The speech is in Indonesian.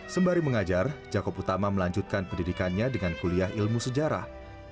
sembari mengajar jakob utama melanjutkan pendidikannya dengan kuliah ilmu sejarah